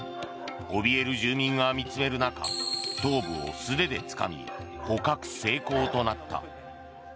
おびえる住民が見つめる中頭部を素手でつかみ捕獲成功となった。